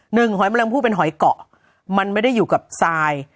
หอยแมลงผู้เป็นหอยเกาะมันไม่ได้อยู่กับทราย